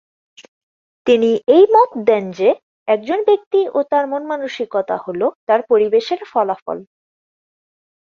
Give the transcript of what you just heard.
তিনি এই মত দেন যে একজন ব্যক্তি ও তার মন-মানসিকতা হল তার পরিবেশের ফলাফল।